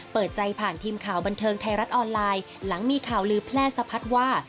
เปิดใจผ่านทีมข่าวบันเทิงไทยรัฐออนไลน์หลังมีข่าวลือแพร่สะพัดว่า